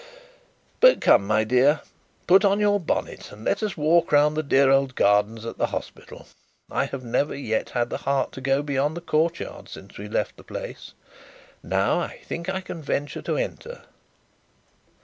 But come, my dear, put on your bonnet, and let us walk round the dear old gardens at the hospital. I have never yet had the heart to go beyond the court yard since we left the place. Now I think I can venture to enter.'